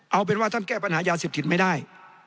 เอาเป็นว่าท่านแก้ปัญหายาเสพติดไม่ได้